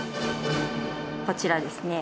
こちらですね